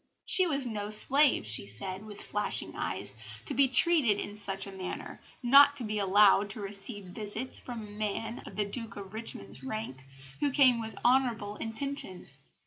She was no slave, she said, with flashing eyes, to be treated in such a manner, not to be allowed to receive visits from a man of the Duke of Richmond's rank, who came with honourable intentions.